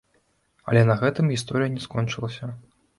Але на гэтым гісторыя не скончылася.